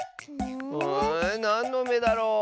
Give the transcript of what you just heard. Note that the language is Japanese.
んなんのめだろう？